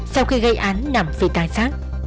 sau khi gây án nằm phía tai sát